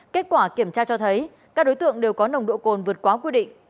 kết quả kiểm tra cho thấy các đối tượng đều có nồng độ cồn vượt quá quy định